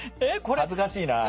恥ずかしいな。